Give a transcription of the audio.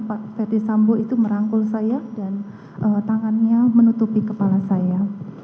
pak ferdis sambo itu merangkul saya dan tangannya menutupi kepala saya